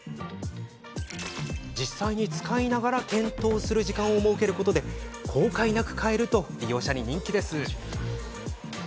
実際に使いながら検討する時間を設けることで後悔なく買えると利用者に人気です。